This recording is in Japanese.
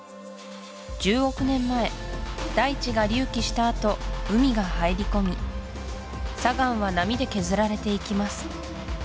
１０億年前大地が隆起したあと海が入り込み砂岩は波で削られていきます